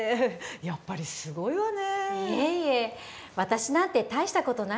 やっぱり、すごいわね。